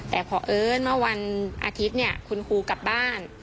แต่พอเอิ้นเมื่อวันอาทิตย์เนี่ยคุณครูกลับบ้าน